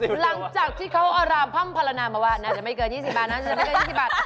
มาจากที่เค้าอิลาร์พ่อพรรณามาว่าน่าจะไม่เกิน๒๐บาทน่าจะไม่เกิน๒๐บาท